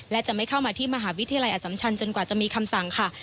และจะไม่เข้ามาที่มหาวิทยาลัยอสัมชันจนกว่าจะมีคำสั่งค่ะ